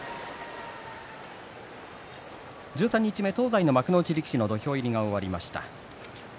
十三日目、東西の幕内力士の土俵入りが終わりました。